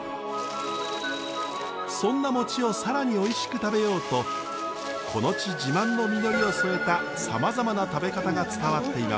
そんな餅を更においしく食べようとこの地自慢の実りを添えたさまざまな食べ方が伝わっています。